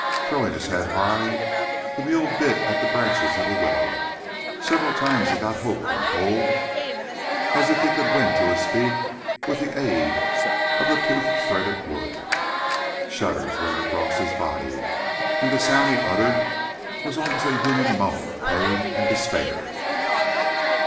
Throwing his head high, the mule bit at the branches of a willow. Several times he got hold and pulled, as if he could win to his feet with the aid of the tooth shredded wood. Shudders ran across his body, and the sound he uttered was almost a human moan of pain and despair.